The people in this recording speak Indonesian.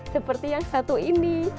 seperti yang satu ini